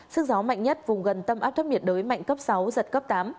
sức gió mạnh nhất vùng gần tâm áp thấp nhiệt đới mạnh cấp sáu giật cấp tám